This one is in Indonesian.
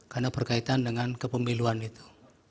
karena berkaitan dengan kepemiluan itu